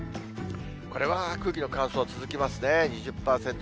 これは空気の乾燥続きますね。